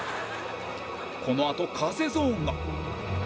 このあと風ゾーンが